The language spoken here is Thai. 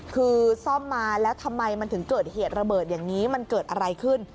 คือซ่อมมาแล้วทำไมมันถึงเกิดเหตุระเบิดอย่างนี้มันเกิดอะไรขึ้น